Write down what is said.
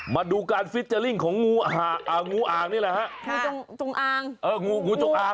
มาดูการฟิตเจอริงของงูอ่างนี่แหละฮะ